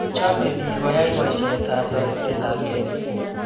chomei biik koyai boisetab toretetab ketik.